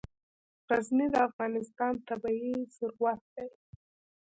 غزني د افغانستان طبعي ثروت دی.